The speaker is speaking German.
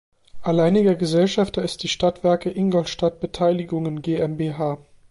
Alleiniger Gesellschafter ist die Stadtwerke Ingolstadt Beteiligungen GmbH.